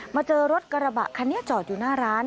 เจอรถกระบะคันนี้จอดอยู่หน้าร้าน